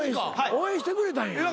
応援してくれたんや。